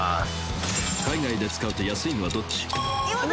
「海外で使うと安いのはどっち？」